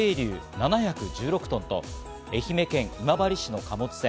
７１６トンと、愛媛県今治市の貨物船